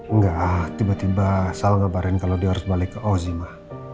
enggak tiba tiba sal ngabarin kalau dia harus balik ke ozima